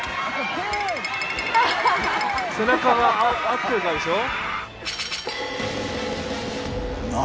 背中があってるかでしょ。